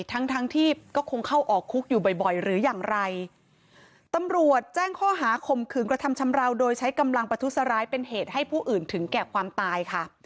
ทั้งทั้งที่ก็คงเข้าออกคุกอยู่บ่อยบ่อยหรืออย่างไรตำรวจแจ้งข้อหาข่มขืนกระทำชำราวโดยใช้กำลังประทุษร้ายเป็นเหตุให้ผู้อื่นถึงแก่ความตายค่ะ